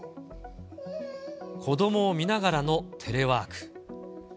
子どもを見ながらのテレワーク。